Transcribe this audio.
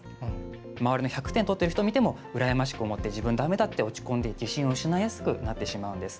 周りで１００点を取ってる人を見ても自分、だめだって落ち込んで自信を失いやすくなってしまうんです。